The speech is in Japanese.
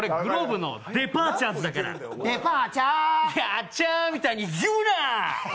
あっぱーみたいに言うな。